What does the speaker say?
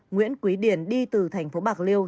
nguyễn quý điền đi từ thành phố bạc liêu